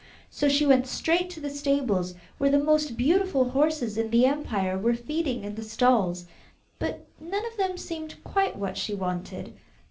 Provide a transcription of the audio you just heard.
So she went straight to the stables where the most beautiful horses in the empire were feeding in the stalls, but none of them seemed quite what she wanted.